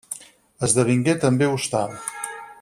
Esdevingué també hostal.